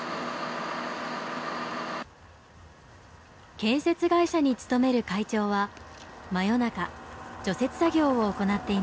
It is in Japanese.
建設会社に勤める会長は真夜中除雪作業を行っています。